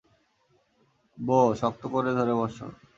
বোহ, শক্ত করে ধরে বসো।